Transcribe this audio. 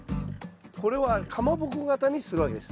これはかまぼこ形にするわけです。